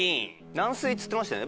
軟水っつってましたよね